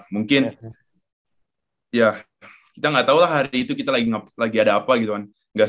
mungkin ya kita nggak tahu lah hari itu kita lagi ada apa gitu kan